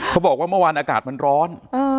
เขาบอกว่าเมื่อวานอากาศมันร้อน